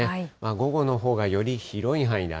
午後のほうがより広い範囲で雨。